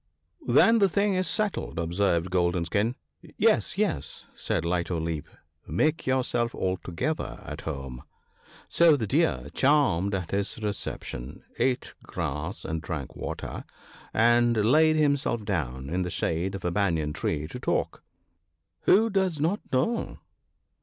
"Then the thing is settled," observed Golden skin. "Yes ! yes!" said Light o' Leap, "make yourself altogether at home !" So the Deer, charmed at his reception, eat grass and drank water, and laid himself down in the shade of a Banyan tree to talk. Who does not know